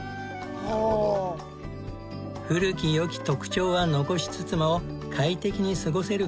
古き良き特徴は残しつつも快適に過ごせる工夫が。